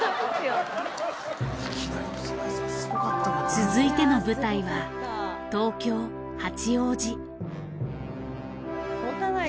続いての舞台は東京八王子。